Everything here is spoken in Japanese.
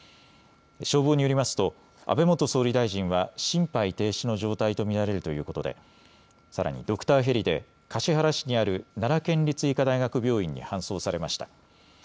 消防によりますと安倍元総理大臣は心肺停止の状態と見られるということでさらにドクターヘリで橿原市にある奈良県立医科大学病院に搬送されました。